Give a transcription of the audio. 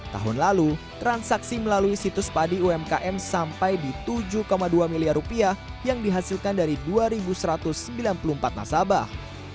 tahun lalu transaksi melalui situs padi umkm sampai di tujuh dua miliar rupiah yang dihasilkan dari dua satu ratus sembilan puluh empat nasabah